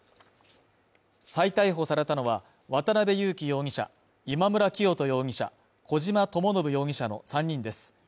再逮捕されたのは、渡辺優樹容疑者、今村磨人容疑者、小島智信容疑者の３人です。